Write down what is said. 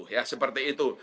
ya seperti itu